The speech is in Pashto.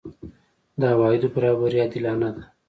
د عوایدو برابري عادلانه ده؟